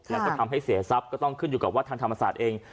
แล้วก็ทำให้เสียทรัพย์ก็ต้องขึ้นอยู่กับว่าทางธรรมศาสตร์เอง